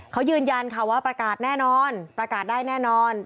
เขายืนยันค่ะว่าประกาศแน่นอนประกาศได้แน่นอน